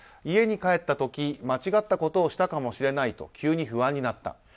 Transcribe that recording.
家に帰った時間違ったことをしたかもしれないと急に不安になった。